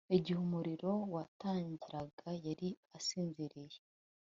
Igihe umuriro watangiraga yari asinziriye